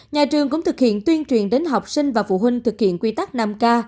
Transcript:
nhà trường cũng thực hiện tuyên truyền đến học sinh và phụ huynh thực hiện quy tắc năm k